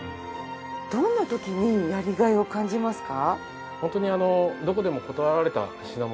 どんな時にやりがいを感じますか？